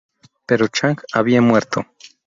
Pero Chang había muerto.